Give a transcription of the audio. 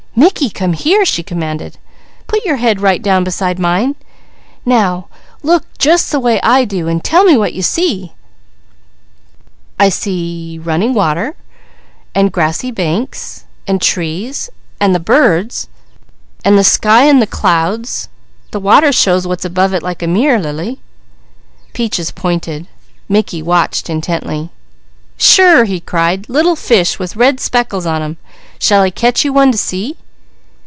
"Mickey, come here!" she commanded. "Put your head right down beside mine. Now look just the way I do, an' tell me what you see." "I see running water, grassy banks, trees, the birds, the sky and the clouds the water shows what's above it like a mirror, Lily." Peaches pointed. Mickey watched intently. "Sure!" he cried. "Little fish with red speckles on them. Shall I catch you one to see?"